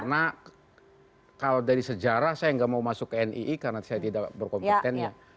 karena kalau dari sejarah saya nggak mau masuk ke nii karena saya tidak berkompetensi